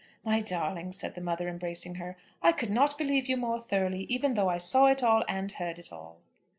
"My darling," said the mother, embracing her, "I could not believe you more thoroughly even though I saw it all, and heard it all."